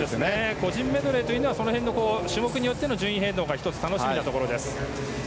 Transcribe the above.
個人メドレーは種目によっての順位変動が１つ、楽しみなところです。